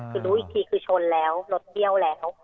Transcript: คือรู้อีกทีคือชนแล้วรถเบี้ยวแล้ว